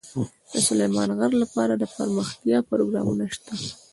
د سلیمان غر لپاره دپرمختیا پروګرامونه شته.